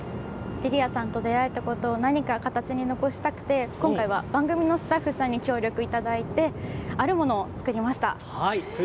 リリアさんと出会えたことを何か、形に残したくて今回は、番組のスタッフさんに協力いただいてあるものを作りました。